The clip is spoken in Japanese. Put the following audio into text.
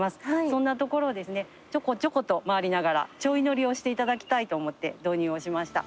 そんな所をですねちょこちょこと回りながらちょい乗りをしていただきたいと思って導入をしました。